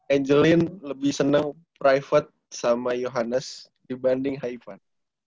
angelin lebih seneng private sama yohannes dibanding haifat